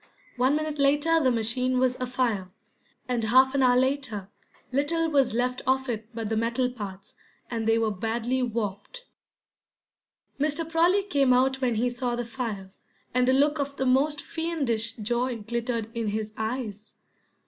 One minute later the machine was afire, and half an hour later little was left of it but the metal parts, and they were badly warped. Mr. Prawley came out when he saw the fire, and a look of the most fiendish joy glittered in his eyes.